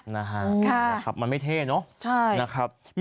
นะครับมันไม่เท่เนอะ